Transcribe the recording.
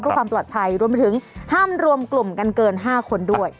เพื่อความปลอดภัยรวมไปถึงห้ามรวมกลุ่มกันเกิน๕คนด้วย